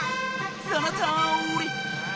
そのとおり！